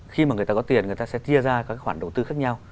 khi mà người ta có tiền người ta sẽ chia ra các khoản đầu tư khác nhau